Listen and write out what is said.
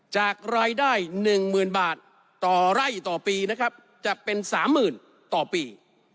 จากรายได้๑๐๐๐บาทต่อไร่ต่อปีนะครับจะเป็น๓๐๐๐ต่อปี